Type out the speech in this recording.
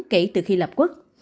kể từ khi lập quốc